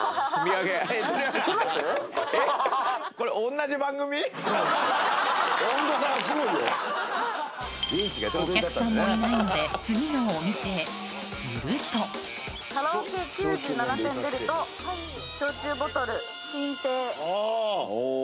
これお客さんもいないので次のお店へすると「カラオケ９７点出ると焼酎ボトル進呈」